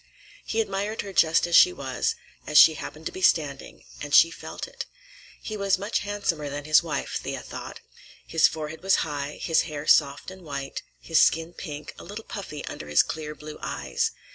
He admired her just as she was, as she happened to be standing, and she felt it. He was much handsomer than his wife, Thea thought. His forehead was high, his hair soft and white, his skin pink, a little puffy under his clear blue eyes.